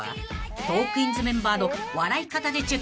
［トークィーンズメンバーの笑い方でチェック］